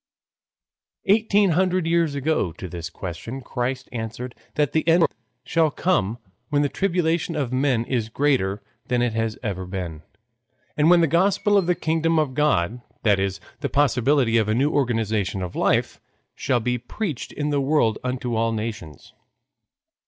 Eighteen hundred years ago to this question Christ answered that the end of the world (that is, of the pagan organization of life) shall come when the tribulation of men is greater than it has ever been, and when the Gospel of the kingdom of God, that is, the possibility of a new organization of life, shall be preached in the world unto all nations.